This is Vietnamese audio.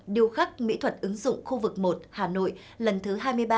điều khắc mỹ thuật ứng dụng khu vực một hà nội lần thứ hai mươi ba